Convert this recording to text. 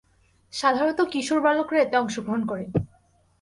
সাধারণত কিশোর-বালকরা এতে অংশগ্রহণ করে।